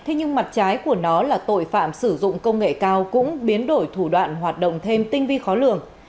thế nhưng mặt trái của nó là tội phạm sử dụng công nghệ cao cũng biến đổi thủ đoạn hoạt động thêm tinh vi khó lường